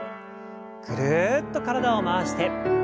ぐるっと体を回して。